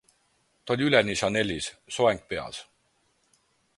Ta oli üleni Chanelis, soeng peas.